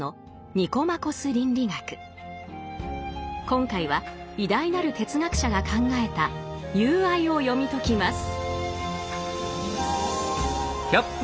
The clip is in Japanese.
今回は偉大なる哲学者が考えた「友愛」を読み解きます。